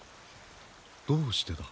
どうしてだ？